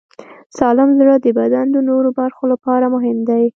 سالم زړه د بدن د نورو برخو لپاره مهم دی.